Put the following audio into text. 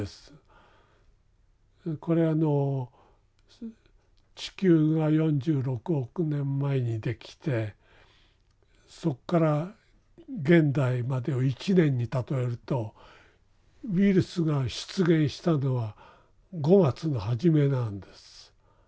これはあの地球が４６億年前にできてそっから現代までを１年に例えるとウイルスが出現したのは５月の初めなんです。